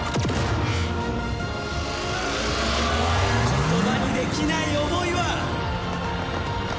言葉にできない思いは。